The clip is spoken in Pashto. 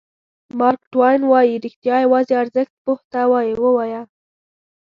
مارک ټواین وایي رښتیا یوازې ارزښت پوه ته ووایه.